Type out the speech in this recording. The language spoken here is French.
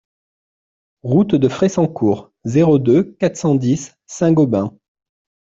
Route de Fressancourt, zéro deux, quatre cent dix Saint-Gobain